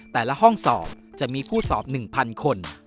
แต่ละห้องสอบจะมีคู่สอบ๑๐๐คน